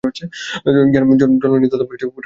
জননী তথাপি পুত্রের প্রতি আসক্ত।